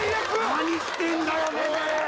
何してんだよ